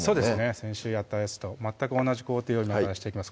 先週やったやつと全く同じ工程を今からしていきます